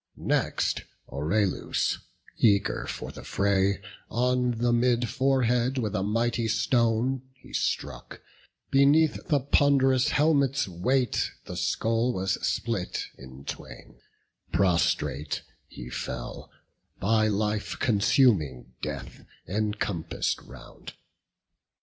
Next Eryalus, eager for the fray, On the mid forehead with a mighty stone He struck; beneath the pond'rous helmet's weight The skull was split in twain; prostrate he fell, By life consuming death encompass'd round.